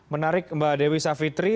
menarik mbak dewi savitri